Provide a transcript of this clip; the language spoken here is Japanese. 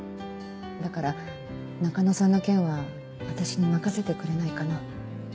だから中野さんの件は私に任せてくれないかな。